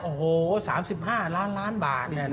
โอ้โห๓๕ล้านล้านบาท